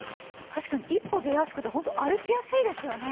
確かに一歩出やすくてホント歩きやすいですよね。